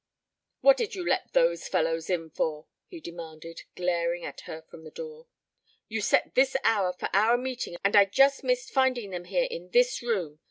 "What did you let those fellows in for?" he demanded, glaring at her from the door. "You set this hour for our meeting and I just missed finding them here in this room.